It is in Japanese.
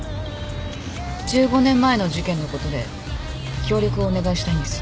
１５年前の事件のことで協力をお願いしたいんです。